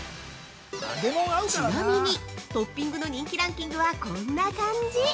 ちなみに、トッピングの人気ランキングはこんな感じ！